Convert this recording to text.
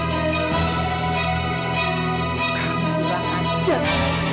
kamu gak anjir